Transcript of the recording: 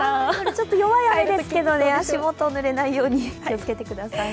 ちょっと弱い雨ですけどね足元ぬれないように気をつけてください。